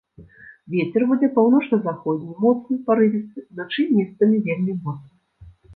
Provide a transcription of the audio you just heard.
Вецер будзе паўночна-заходні, моцны парывісты, уначы месцамі вельмі моцны.